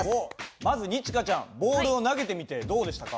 まず二千翔ちゃんボールを投げてみてどうでしたか？